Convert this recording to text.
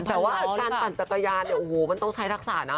แต่ว่าการปั่นจัตรยานมันต้องใช้ทรักษานะ